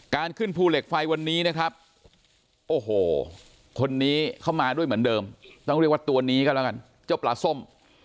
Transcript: ขึ้นภูเหล็กไฟวันนี้นะครับโอ้โหคนนี้เข้ามาด้วยเหมือนเดิมต้องเรียกว่าตัวนี้ก็แล้วกันเจ้าปลาส้ม